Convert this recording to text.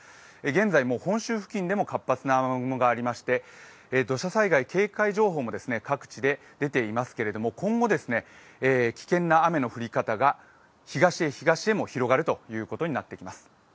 現在、本州付近でも活発な雨雲がありまして土砂災害警戒情報も各地で出ていますけれども今後、危険な雨の降り方が東へも広がることになります。